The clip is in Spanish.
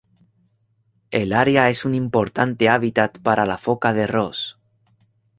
El área es un importante hábitat para la foca de Ross.